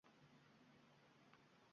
Kasbingiz nima?